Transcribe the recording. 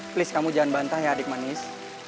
please kamu jangan bantah ya adik manis